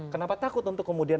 kenapa takut untuk kemudian